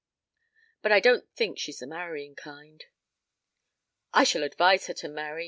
But I don't think she's the marrying kind." "I shall advise her to marry.